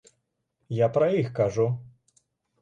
Я пра іх кажу.